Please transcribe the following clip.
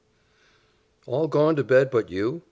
"All gone to bed but you?"